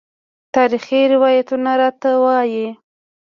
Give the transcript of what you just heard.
تاریخي روایتونه راته وايي.